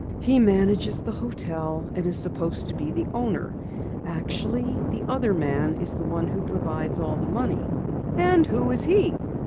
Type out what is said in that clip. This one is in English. "He manages the hotel and is supposed to be the owner. Actually, the other man is the one who provides all the money." "And who is he?"